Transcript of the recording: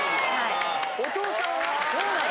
お父さんはそうなの？